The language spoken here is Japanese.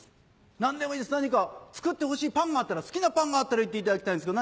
何でもいいです何か作ってほしいパンがあったら好きなパンがあったら言っていただきたいんですけど。